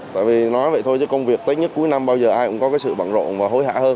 tại vì nói vậy thôi chứ công việc tết nhất cuối năm bao giờ ai cũng có cái sự bẳng rộn và hối hạ hơn